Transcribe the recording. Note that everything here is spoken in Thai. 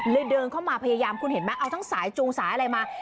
เดินเข้ามาพยายามคุณเห็นไหมเอาทั้งสายจูงสายอะไรมา